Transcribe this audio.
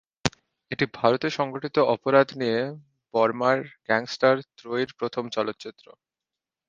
এটি ভারতে সংগঠিত অপরাধ নিয়ে বর্মার গ্যাংস্টার ত্রয়ীর প্রথম চলচ্চিত্র।